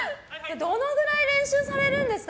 どのくらい練習されるんですか？